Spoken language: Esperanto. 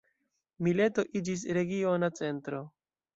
Mileto iĝis regiona centro.